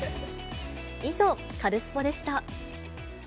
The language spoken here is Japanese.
以上、カルスポっ！でした。